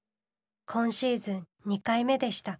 今シーズン２回目でした。